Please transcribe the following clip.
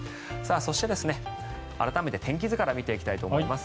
そして、改めて天気図から見ていきたいと思います。